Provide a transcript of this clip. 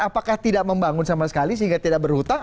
apakah tidak membangun sama sekali sehingga tidak berhutang